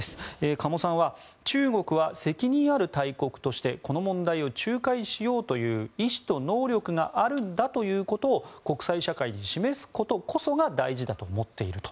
加茂さんは中国は責任ある大国としてこの問題を仲介しようという意思と能力があるんだということを国際社会に示すことこそが大事だと思っていると。